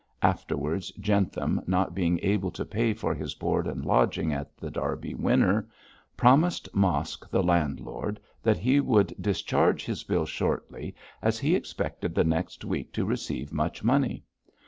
Afterwards Jentham, not being able to pay for his board and lodging at The Derby Winner, promised Mosk, the landlord, that he would discharge his bill shortly, as he expected the next week to receive much money.